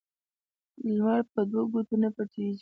لمرپه دوو ګوتو نه پټيږي